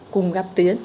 cùng gặp tiến